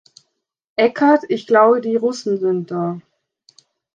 Eckart, ich glaube die Russen sind da.